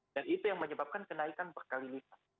dan itu yang menyebabkan kenaikan berkali kali